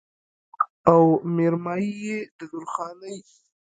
او مېرمايي يې د درخانۍ